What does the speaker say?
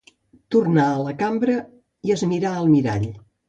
Tornà a la cambra i es mirà al mirall.